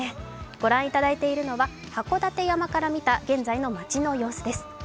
御覧いただいているのは函館山から見た現在の町の様子です。